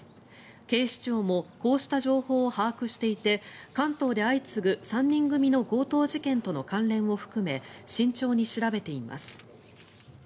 警視庁もこうした情報を把握していて関東で相次ぐ３人組の強盗事件との関連を含め慎重に調べています。